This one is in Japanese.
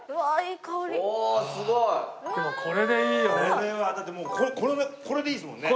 これはだってこれでいいですもんね。